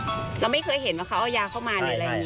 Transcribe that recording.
อืมเราไม่เคยเห็นว่าเขาเอายาเข้ามาอย่างไรนี้